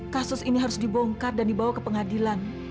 kasus ini harus dibongkar dan dibawa ke pengadilan